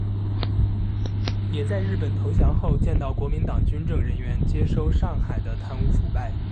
也在日本投降后见到国民党军政人员接收上海的贪污腐败。